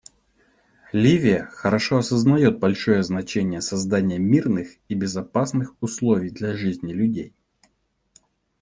Ливия хорошо осознает большое значение создания мирных и безопасных условий для жизни людей.